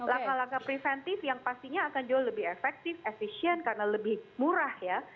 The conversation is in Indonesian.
langkah langkah preventif yang pastinya akan jauh lebih efektif efisien karena lebih murah ya